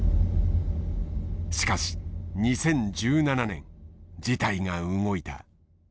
しかし２０１７年事態が動いた。